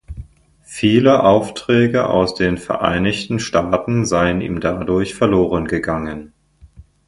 Viele Aufträge aus den Vereinigten Staaten seien ihm dadurch verloren gegangen.